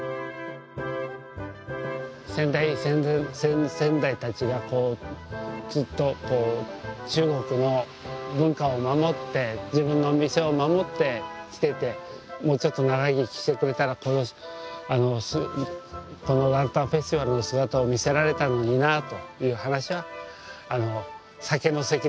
先代先々代たちがずっと中国の文化を守って自分の店を守ってきててもうちょっと長生きしてくれたらこれをこのランタンフェスティバルの姿を見せられたのになという話は酒の席ではよくします。